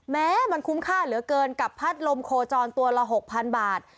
แม้มันคุ้มค่าเหลือเกินกับพัดลมโคจรตัวละ๖๐๐๐บาท